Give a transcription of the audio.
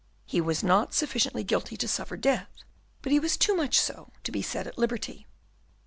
He was not sufficiently guilty to suffer death, but he was too much so to be set at liberty.